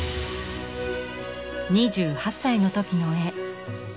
２８歳の時の絵。